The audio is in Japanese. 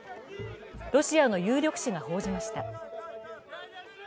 ロシアの有力紙が報じました。